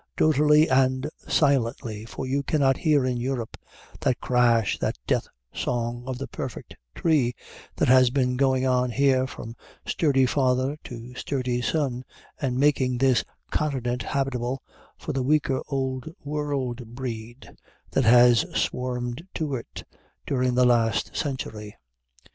Doughtily and silently, for you cannot hear in Europe "that crash, the death song of the perfect tree," that has been going on here from sturdy father to sturdy son, and making this continent habitable for the weaker Old World breed that has swarmed to it during the last half century.